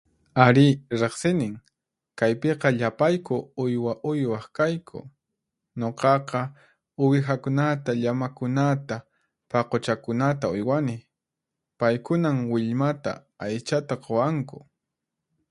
Arí, riqsinin! Kaypiqa llapayku uywa uywaq kayku. Nuqaqa uwihakunata, llamakunata, paquchakunata uywani. Paykunan willmata, aychata quwanku.